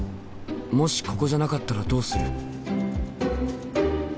もしここじゃなかったらどうする？